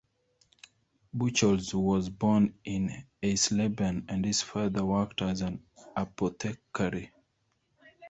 Bucholz was born in Eisleben and his father worked as an apothecary.